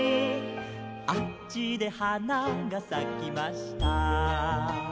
「『あっちではながさきました』」